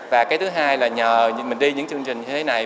và cái thứ hai là nhờ mình đi những chương trình như thế này